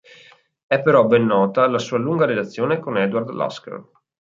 È però ben nota la sua lunga relazione con Edward Lasker.